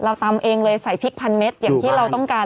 ตำเองเลยใส่พริกพันเม็ดอย่างที่เราต้องการ